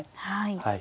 はい。